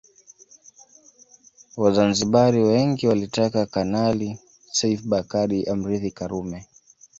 Wazanzibari wengi walitaka Kanali Seif Bakari amrithi Karume